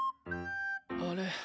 あれ？